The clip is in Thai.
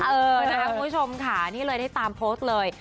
คุณผู้ชมค่ะนี่เลยให้ตามโพสต์เลย